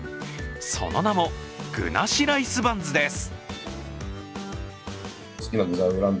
その名も、具なしライスバンズです。